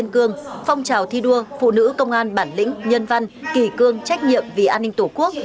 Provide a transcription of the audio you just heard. trong năm hai nghìn một mươi bảy ban phụ nữ công an nhân dân mở hậu nompb bằng từng tổ chức